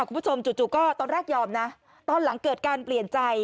คุณผู้ชมจู่ก็ตอนแรกยอมนะตอนหลังเกิดการเปลี่ยนใจ